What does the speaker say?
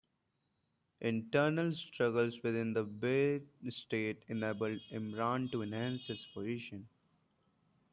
Internal struggles within the Buyid state enabled 'Imran to enhance his position.